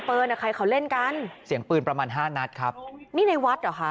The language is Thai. อ่ะใครเขาเล่นกันเสียงปืนประมาณห้านัดครับนี่ในวัดเหรอคะ